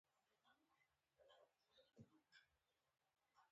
پښتانه باید د کلتوري میراث ساتنه وکړي.